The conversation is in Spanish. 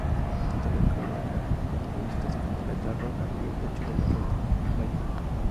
Más tarde colaboraría con revistas como "Letra Roja" y "El Techo de la Ballena".